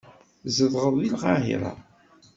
Tzedɣeḍ deg Lqahira.